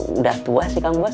udah tua sih kang buat